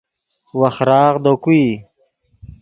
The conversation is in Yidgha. وخراغ دے کو ای